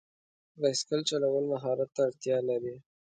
بایسکل چلول مهارت ته اړتیا لري.